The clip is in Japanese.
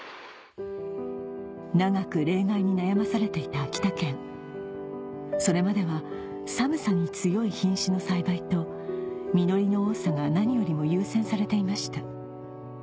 長く冷害に悩まされていた秋田県それまでは寒さに強い品種の栽培と実りの多さが何よりも優先されていました